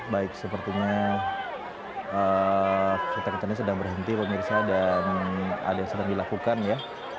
baik sepertinya kereta kereta ini sedang berhenti pak mirsa dan ada yang sedang dilakukan ya